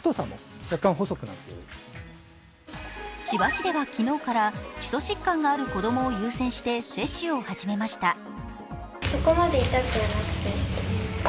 千葉市では昨日から基礎疾患がある子供を優先して接種を始めました。